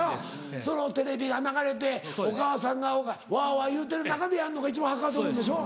そのテレビが流れてお母さんがワワ言うてる中でやるのが一番はかどるんでしょ？